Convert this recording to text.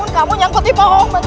kamu nyambut di pohon